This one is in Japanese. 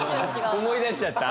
思い出しちゃった？